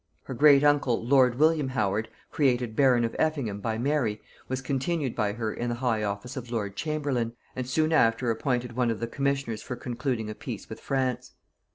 Her great uncle lord William Howard, created baron of Effingham by Mary, was continued by her in the high office of lord chamberlain, and soon after appointed one of the commissioners for concluding a peace with France.